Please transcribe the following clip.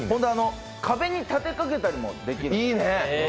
壁に立てかけたりとかもできる。